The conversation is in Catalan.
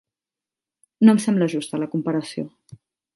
No em sembla justa la comparació.